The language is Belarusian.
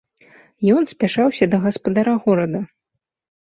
Ён спяшаўся да гаспадара горада.